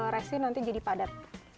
resin nanti jadi padat